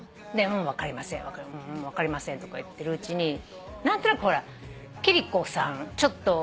でうーん分かりませんとか言ってるうちに何となくほら貴理子さん